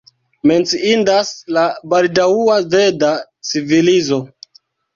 Menciindas la baldaŭa veda civilizo.